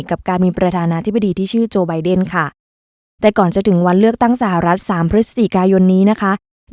กับการมีประธานาธิบดีที่ชื่อโจไบเดนค่ะแต่ก่อนจะถึงวันเลือกตั้งสหรัฐ๓พฤศจิกายนนี้นะคะ